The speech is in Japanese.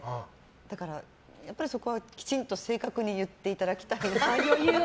だから、そこはきちんと正確に言っていただきたいなと。